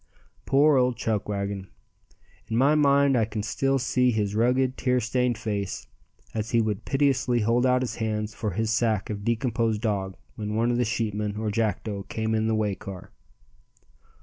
Poor old Chuckwagon! In my mind I can still see his rugged, tear stained face as he would piteously hold out his hands for his sack of decomposed dog when one of the sheepmen or Jackdo came in the way car.